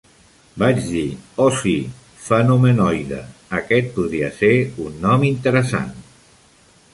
Vaig dir "Oh, sí," Fenomenoide", aquest podria ser un nom interessant.